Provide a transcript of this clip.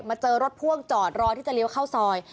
เจอรถพ่วงจอดรอที่จะเลี้ยวเข้าซอย